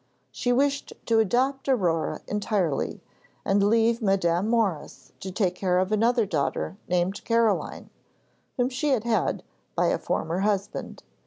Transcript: She wished to adopt Aurore entirely, and leave Madame Maurice to take care of another daughter named Caroline, whom she had had by a former husband.